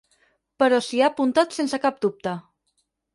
Però s'hi ha apuntat sense cap dubte.